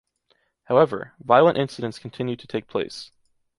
However, violent incidents continue to take place.